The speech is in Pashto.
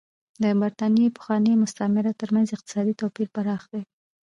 د برېټانیا پخوانیو مستعمرو ترمنځ اقتصادي توپیر پراخ دی.